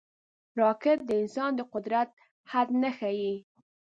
راکټ د انسان د قدرت حد نه ښيي